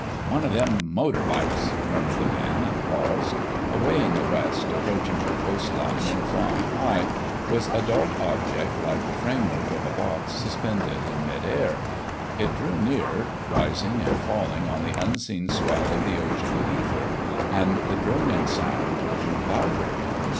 "One of them motor bikes——" murmured the man and paused. Away in the west, approaching the coast line and flying high, was a dark object like the framework of a box suspended in mid air. It drew near, rising and falling on the unseen swell of the ocean of ether, and the droning sound grew louder.